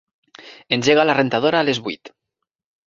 Engega la rentadora a les vuit.